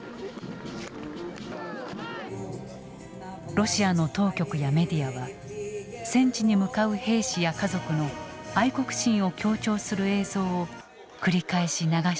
ロシアの当局やメディアは戦地に向かう兵士や家族の愛国心を強調する映像を繰り返し流してきた。